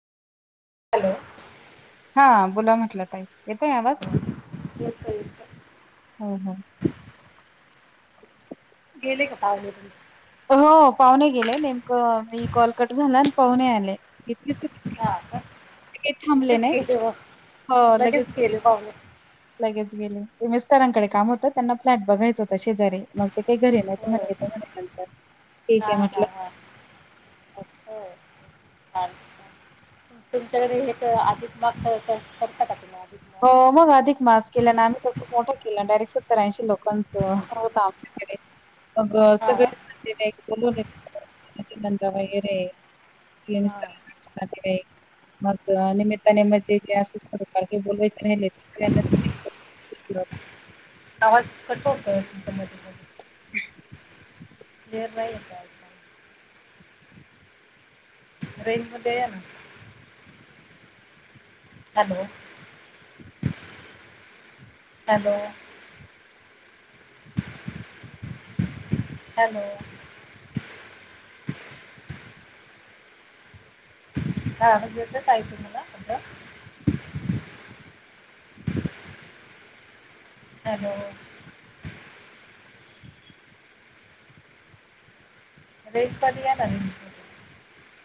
Hello हा बोला म्हटल ताई येतोय आवाज. येत्योय येत्योय. हो हो. गेले का पाहुणे तुमचे. हो पाहुणे गेले नेमके कॉ मी कॉल कट झालान. पाहुणे आले [unintelligible] हा का [unintelligible] थांबले लगेच नाही गेले व हो गेले लगेच- पाहुणे लगेच गेले एम एस सरांकडे काम होतं, त्यांना फ्लॅट बघाचं होत शेजारी मग ते. ते घर आहे नाही तुम्हा य [unintelligible] म्ह हा हा हा हो. अच्छा तुमच्याकडे हे अधिक माग करता का तुमी. हो मग अधिक मास केला आणि आम्ही तर खूप मोठा केला डायरेक्ट. त्रऐंशी लोकांचं होत आमच्याकडे. अग हां सगळे बोल [unintelligible] मगे नंत वैरे [unintelligible] म हां [unintelligible] मग निमित्ताने म. ते ते अस बोल नाहीना आवाज कट होतय तुमच मधे मधे. रेंज नाही य का तुमच्या कडे. रेंज मध्ये या ना. Hello hello hello. हा काहीला हॅलो रेंज मध्ये या ना.